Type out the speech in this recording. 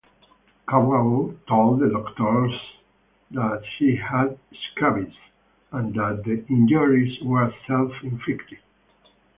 Kouao told the doctors that she had scabies, and that the injuries were self-inflicted.